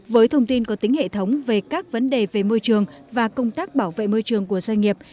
với thông tin có tính hệ thống về các vấn đề về môi trường và công tác bảo vệ môi trường của doanh nghiệp